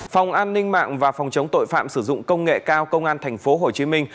phòng an ninh mạng và phòng chống tội phạm sử dụng công nghệ cao công an thành phố hồ chí minh